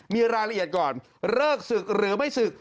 มีรายละเอียดก่อนเลิกศึกหรือไม่ศึก